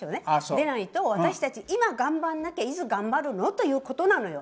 でないと私たち今頑張んなきゃいつ頑張るの？ということなのよ。